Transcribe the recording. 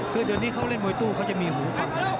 คือเดี๋ยวนี้เขาเล่นมวยตู้เขาจะมีหูฟัง